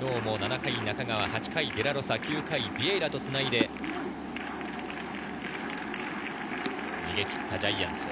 昨日も７回中川、８回デラロサ、９回ビエイラとつないで逃げ切ったジャイアンツ。